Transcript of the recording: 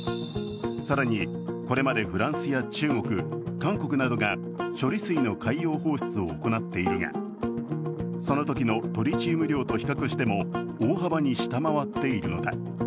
更にこれまでフランスや中国、韓国などが処理水の海洋放出を行っているがそのときのトリチウム量と比較しても大幅に下回っているのだ。